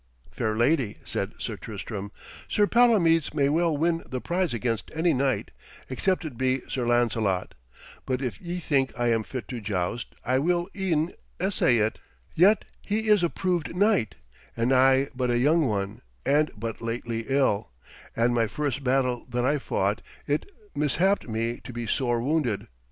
'Fair lady,' said Sir Tristram, 'Sir Palomides may well win the prize against any knight, except it be Sir Lancelot. But if ye think I am fit to joust I will e'en essay it. Yet he is a proved knight, and I but a young one and but lately ill; and my first battle that I fought, it mishapped me to be sore wounded.